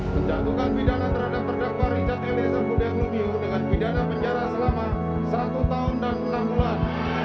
menjatuhkan pidana terhadap perdakwa richard d lezard budenuniu dengan pidana penjara selama satu tahun dan enam bulan